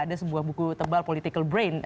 ada sebuah buku tebal political brain